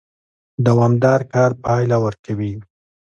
دوامدار کار پایله ورکوي